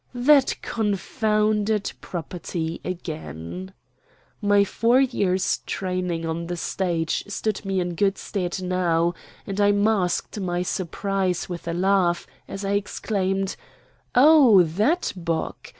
That confounded property again! My four years' training on the stage stood me in good stead now, and I masked my surprise with a laugh as I exclaimed: "Oh, that Bock!